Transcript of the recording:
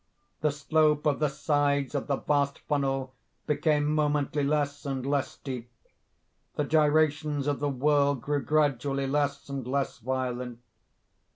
The slope of the sides of the vast funnel became momently less and less steep. The gyrations of the whirl grew, gradually, less and less violent.